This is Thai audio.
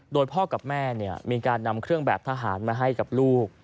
โดยพ่อกับแม่มีการนำเครื่องแบบทหารมาให้กับลูก